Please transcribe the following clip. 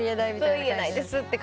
言えないですって感じ。